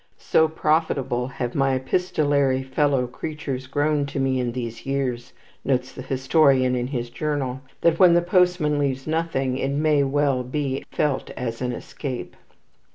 "So profitable have my epistolary fellow creatures grown to me in these years," notes the historian in his journal, "that when the postman leaves nothing, it may well be felt as an escape."